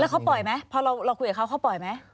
แล้วเค้าปล่อยไหมเพราะเราคุยกับเค้าเค้าปล่อยไหม